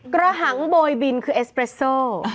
กระหังโบยบินคือเอสเปรสโซ